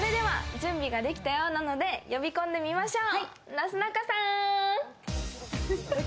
準備ができたようなので呼び込んでみましょう。